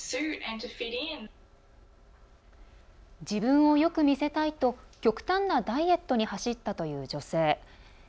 自分をよく見せたいと極端なダイエットに走ったという女性。